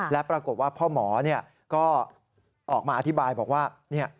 และปรากฏว่าพ่อหมอก็ออกมาอธิบายบอกว่า